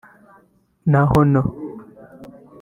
na Hon